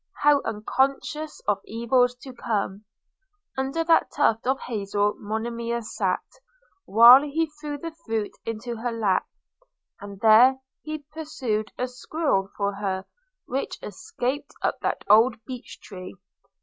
how unconscious of evils to come! – Under that tuft of hazle Monimia sat, while he threw the fruit into her lap; and there he pursued a squirrel for her, which escaped up that old beech tree!